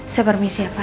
saya permisi ya pak